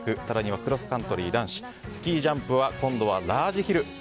更にクロスカントリー男子スキージャンプは今度はラージヒル。